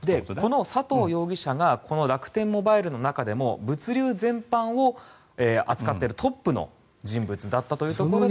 この佐藤容疑者がこの楽天モバイルの中でも物流全般を扱っているトップの人物だったというところで。